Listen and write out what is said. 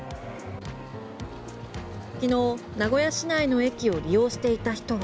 昨日、名古屋市内の駅を利用していた人は。